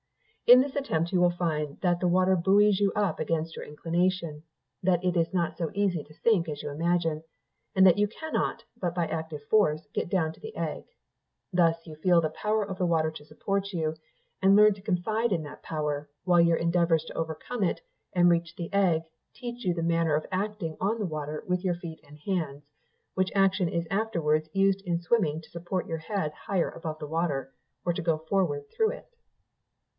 In this attempt you will find that the water buoys you up against your inclination; that it is not so easy to sink as you imagine, and that you cannot, but by active force, get down to the egg. Thus you feel the power of water to support you, and learn to confide in that power, while your endeavours to overcome it, and reach the egg, teach you the manner of acting on the water with your feet and hands, which action is afterwards used in swimming to support your head higher above the water, or to go forward through it.